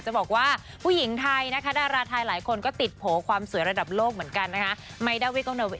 จะบอกว่าผู้หญิงไทยนะคะดาราไทยหลายคนก็ติดโผล่ความสวยระดับโลกเหมือนกันนะคะ